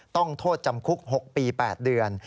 ต้องโทษจำคุก๖ปี๘เดือน